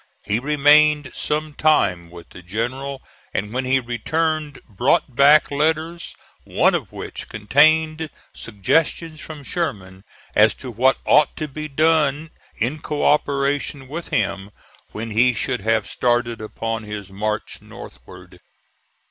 He remained some time with the general, and when he returned brought back letters, one of which contained suggestions from Sherman as to what ought to be done in co operation with him, when he should have started upon his march northward.